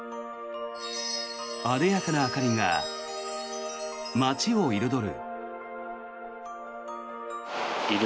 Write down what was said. あでやかな明かりが街を彩る。